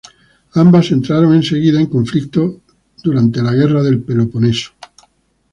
Ambas entraron enseguida en conflicto en la Guerra del Peloponeso.